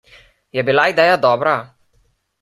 Je bila ideja dobra?